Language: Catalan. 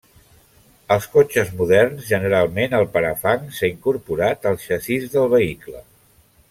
Als cotxes moderns, generalment, el parafang s'ha incorporat al xassís del vehicle.